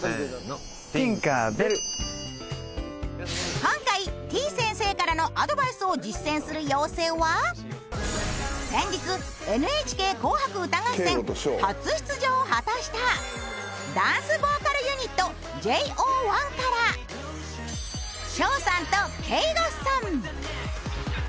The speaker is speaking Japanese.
今回てぃ先生からのアドバイスを実践する妖精は先日「ＮＨＫ紅白歌合戦」初出場を果たしたダンスボーカルユニットＪＯ１から奨さんと景瑚さん！